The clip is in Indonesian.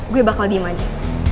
gue bakal diem aja